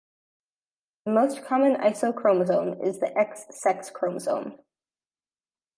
The most common isochromosome is the X sex chromosome.